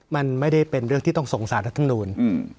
มันไม่ได้เป็นเรื่องที่ต้องส่งสารทั้งทั้งนู่นอืม